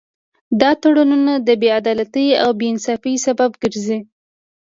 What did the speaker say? دا تړونونه د بې عدالتۍ او بې انصافۍ سبب ګرځي